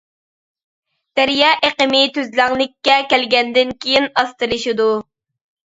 دەريا ئېقىمى تۈزلەڭلىككە كەلگەندىن كېيىن ئاستىلىشىدۇ.